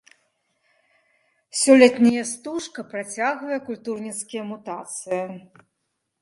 Сёлетняя стужка працягвае культурніцкія мутацыі.